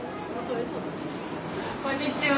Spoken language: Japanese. こんにちは。